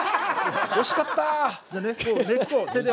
惜しかったあ。